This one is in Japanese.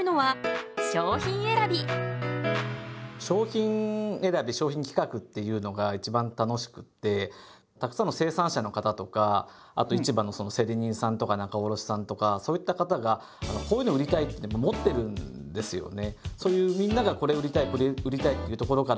商品選び商品企画っていうのがいちばん楽しくってたくさんの生産者の方とかあと市場の競り人さんとか仲卸さんとかそういった方がこういうの売りたいって持ってるんですよね。